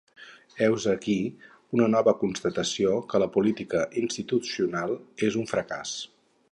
Heus aquí una nova constatació que la política institucional és un fracàs.